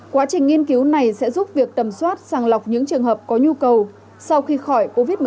quá trình nghiên cứu này sẽ giúp việc tầm soát sàng lọc những trường hợp có nhu cầu sau khi khỏi covid một mươi chín